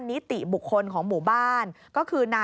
นี่ค่ะคุณผู้ชมพอเราคุยกับเพื่อนบ้านเสร็จแล้วนะน้า